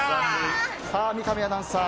三上アナウンサー